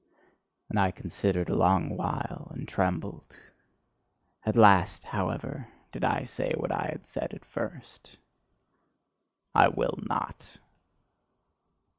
And I considered a long while, and trembled. At last, however, did I say what I had said at first. "I will not."